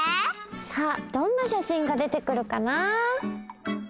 さあどんなしゃしんが出てくるかな？